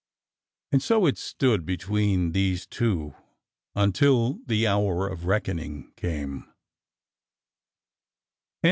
And so it stood between these two until the hour of reckoning came.